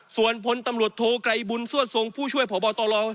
ส่วนพลตำรวจโทไกรบุญสวดทรงผู้ช่วยพบตร